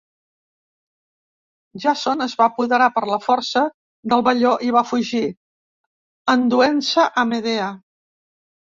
Jàson es va apoderar per la força del velló i va fugir, enduent-se a Medea.